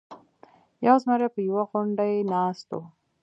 یو زمری په یوه غونډۍ ناست و.